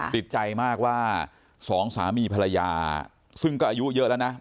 ติดใจมากว่าสองสามีภรรยาซึ่งก็อายุเยอะแล้วนะ